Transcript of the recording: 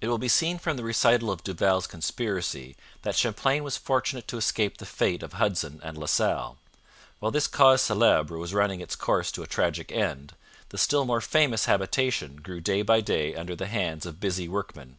It will be seen from the recital of Duval's conspiracy that Champlain was fortunate to escape the fate of Hudson and La Salle. While this cause celebre was running its course to a tragic end, the still more famous habitation grew day by day under the hands of busy workmen.